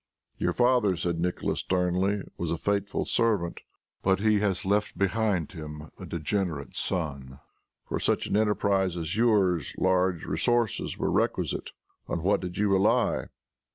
"Your father," said Nicholas sternly, "was a faithful servant, but he has left behind him a degenerate son. For such an enterprise as yours large resources were requisite. On what did you rely?"